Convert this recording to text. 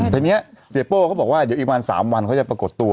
ทีนี้เสียโป้เขาบอกว่าเดี๋ยวอีกประมาณ๓วันเขาจะปรากฏตัว